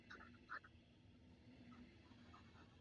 سرفراز کو دے دی گئی۔